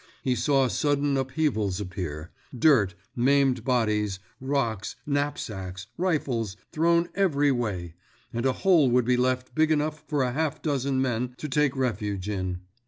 He saw sudden upheavals appear—dirt, maimed bodies, rocks, knapsacks, rifles, thrown every way—and a hole would be left big enough for half a dozen men to take refuge in.